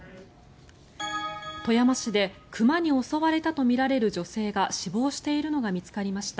富山市で熊に襲われたとみられる女性が死亡しているのが見つかりました。